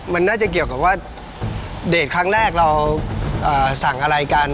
มันน่าจะเกี่ยวกับว่าเดทครั้งแรกเราสั่งอะไรกัน